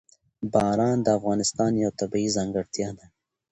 باران د افغانستان یوه طبیعي ځانګړتیا ده.